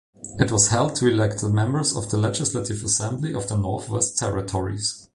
It was held to elect members of the Legislative Assembly of the Northwest Territories.